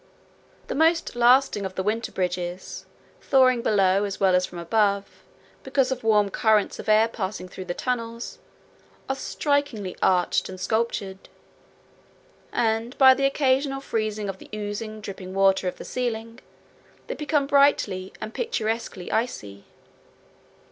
The most lasting of the winter bridges, thawing from below as well as from above, because of warm currents of air passing through the tunnels, are strikingly arched and sculptured; and by the occasional freezing of the oozing, dripping water of the ceiling they become brightly and picturesquely icy.